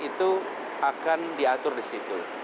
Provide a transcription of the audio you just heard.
itu akan diatur di situ